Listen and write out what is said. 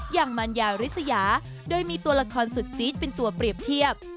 อย่างมันยาริสยาโดยมีตัวละครสุดจี๊ดเป็นตัวเปรียบเทียบ